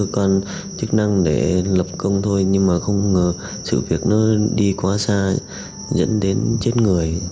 còn chức năng để lập công thôi nhưng mà không ngờ sự việc nó đi quá xa dẫn đến chết người